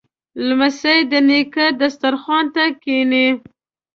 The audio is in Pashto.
لمسی د نیکه دسترخوان ته کیني.